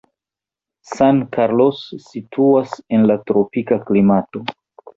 San Carlos situas en la tropika klimato.